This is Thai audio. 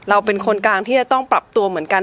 เราเป็นคนกลางที่จะต้องปรับตัวเหมือนกัน